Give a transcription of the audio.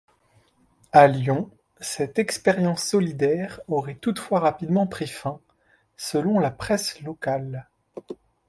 À Lyon, cette expérience solidaire aurait toutefois rapidement pris fin selon la presse locale.